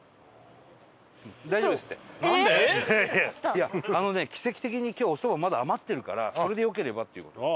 いやあのね奇跡的に今日おそばまだ余ってるからそれでよければっていう事です。